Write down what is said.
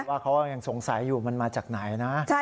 ว่าเขายังสงสัยอยู่มันมาจากไหนนะ